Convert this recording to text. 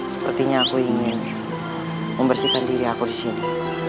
sepertinya aku ingin membersihkan diri aku di sini